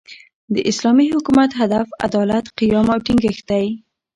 د اسلامي حکومت، هدف عدالت، قیام او ټینګښت دئ.